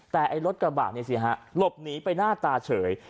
แต่ไอ้รถกระบะนี่สิฮะหลบหนีไปหน้าตาเฉย